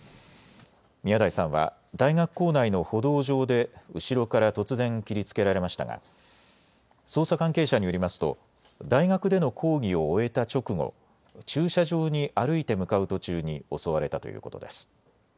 宮台さんは大学構内の歩道上で後ろから突然切りつけられましたが捜査関係者によりますと大学での講義を終えた直後、駐車場に歩いて向かう途中に襲われたということです。